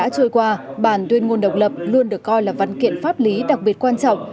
đã trôi qua bản tuyên ngôn độc lập luôn được coi là văn kiện pháp lý đặc biệt quan trọng